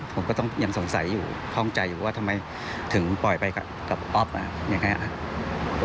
ผมก็ต้องยังสงสัยอยู่คล่องใจอยู่ว่าทำไมถึงปล่อยไปกับอ๊อฟยังไงอ่ะ